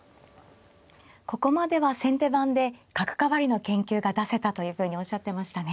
ここまでは先手番で角換わりの研究が出せたというふうにおっしゃってましたね。